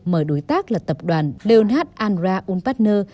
mời đối tác là tập đoàn leonard andra unpartner